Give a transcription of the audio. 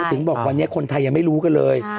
ถึงบอกวันนี้คนไทยยังไม่รู้กันเลย